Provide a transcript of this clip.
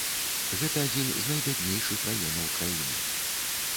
Гэта адзін з найбяднейшых раёнаў краіны.